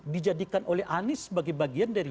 dijadikan oleh anies sebagai bagian dari